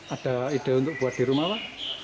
ada ide untuk buat di rumah lah